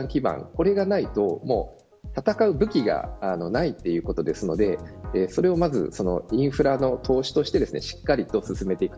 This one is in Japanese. これがないと戦う武器がないということですのでそれをインフラの投資としてしっかりと進めていく。